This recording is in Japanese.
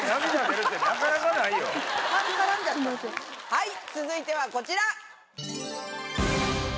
はい続いてはこちら！